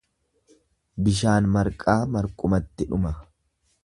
Bishaan marqaa marqumatti dhuma.